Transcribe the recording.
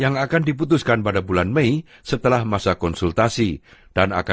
dan akan diterapkan pada tagihan energi ngumpirnya p acham itu